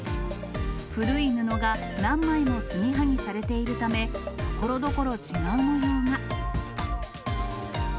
古い布が何枚も継ぎはぎされているため、ところどころ違う模様が。